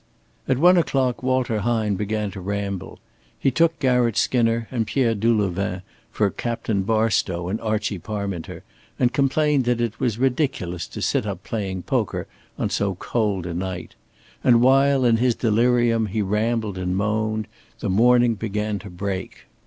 At one o'clock Walter Hine began to ramble. He took Garratt Skinner and Pierre Delouvain for Captain Barstow and Archie Parminter, and complained that it was ridiculous to sit up playing poker on so cold a night; and while in his delirium he rambled and moaned, the morning began to break.